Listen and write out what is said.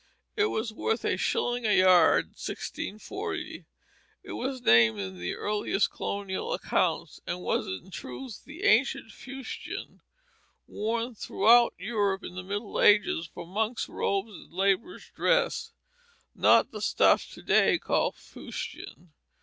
It was worth a shilling a yard in 1640. It was named in the earliest colonial accounts, and was in truth the ancient fustian, worn throughout Europe in the Middle Ages for monks' robes and laborers' dress, not the stuff to day called fustian.